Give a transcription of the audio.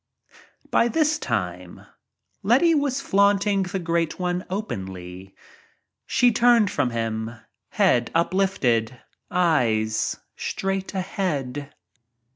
By this time Letty was flaunting the Great One openly. She turned from him, head uplifted, eyes straight ahead.